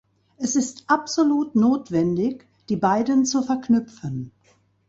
Es ist absolut notwendig, die beiden zu verknüpfen.